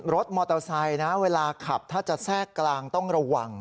รถมอเตอร์ไซค์นะเวลาขับถ้าจะแทรกกลางต้องระวัง